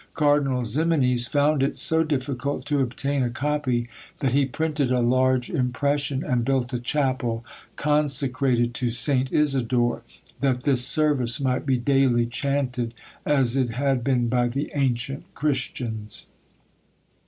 Cardinal Ximenes found it so difficult to obtain a copy, that he printed a large impression, and built a chapel, consecrated to St. Isidore, that this service might be daily chaunted as it had been by the ancient Christians.